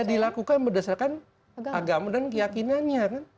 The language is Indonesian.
bisa dilakukan berdasarkan agama dan keyakinannya